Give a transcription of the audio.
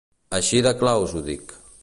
Així de clar us ho dic.